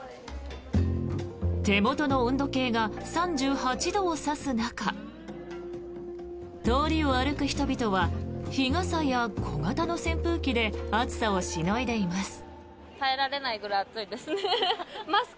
手元の温度計が３８度を指す中通りを歩く人々は日傘や小型の扇風機で暑さをしのいでいます。